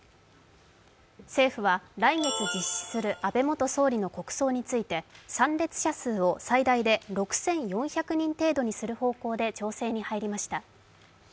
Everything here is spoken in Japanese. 政府は来月実施する安倍元総理の国葬について参列者数を最大で６４００人程度にする方向で調整に入りました。